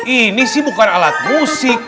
ini sih bukan alat musik